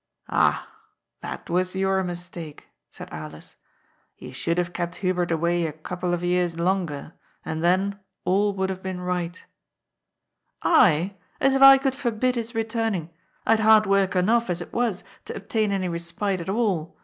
^^ Ah, that was your mistake," said Alers ;" you should have kept Hubert away a couple of years longer, and then all would have been right" ^*I? As if I could forbid his returning. I had hard work enough, as it was, to obtain any respite at all.